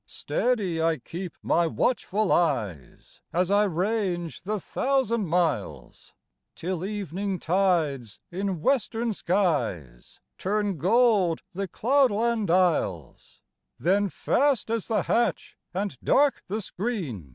Steady I keep my watchful eyes, As I range the thousand miles. Till evening tides in western skies Turn gold the cloudland isles; Then fast is the hatch and dark the screen.